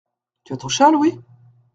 Tu as ton châle, oui ?